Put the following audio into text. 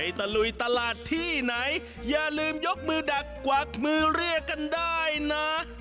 คุณคนหนึ่งก็พูดว่าเชื่อกันได้นะ